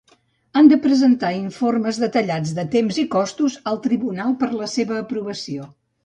Han de presentar informes detallats de temps i costos al tribunal per a la seva aprovació.